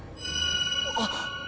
あっ！